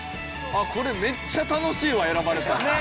これめっちゃ楽しいわ選ばれたら。